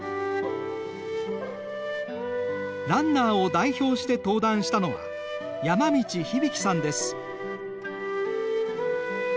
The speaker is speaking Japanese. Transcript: ランナーを代表して登壇したのは山道ヒビキさんです。